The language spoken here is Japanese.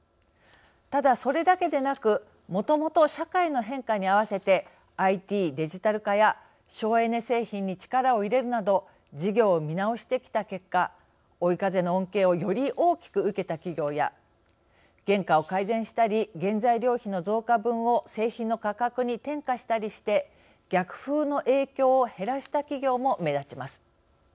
ただそれだけでなくもともと社会の変化に合わせてＩＴ・デジタル化や省エネ製品に力を入れるなど事業を見直してきた結果追い風の恩恵をより大きく受けた企業や原価を改善したり原材料費の増加分を製品の価格に転嫁したりして逆風の影響を減らした企業も目立ちます。